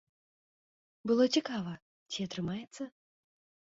Было цікава, ці атрымаецца.